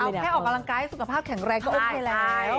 เอาแค่ออกกำลังกายสุขภาพแข็งแรงก็โอเคแล้ว